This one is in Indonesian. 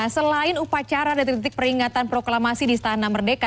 selain upacara dan titik titik peringatan proklamasi di stana merdeka